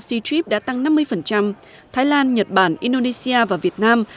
seatrip đã tăng năm mươi thái lan nhật bản indonesia và việt nam